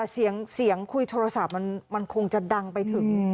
เสียงคุยโทรศัพท์เขาอิงขุมมันคงจะดังไปถึง